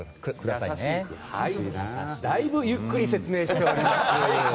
だいぶゆっくり説明しております。